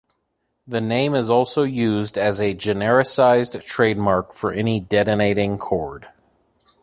The name is also used as a genericized trademark for any detonating cord.